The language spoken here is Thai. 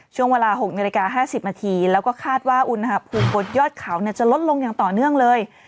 ช่วงเวลา๖นาฬิกา๕๐นาทีแล้วก็คาดว่าอุณหภูมิบนยอดเขาจะลดลงอย่างต่อเนื่องเลย